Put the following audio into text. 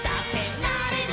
「なれる」